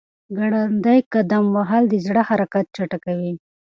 ګړندی قدم وهل د زړه حرکت چټکوي.